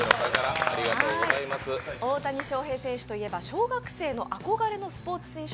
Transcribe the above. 大谷翔平選手といえば小学生の憧れのスポーツ選手